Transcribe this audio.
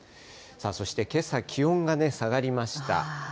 そしてけさ、気温が下がりました。